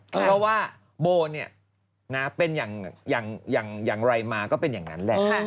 เพราะว่าโบเป็นอย่างไรมาก็เป็นอย่างนั้นแหละ